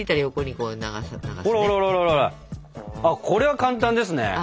これは簡単ですね。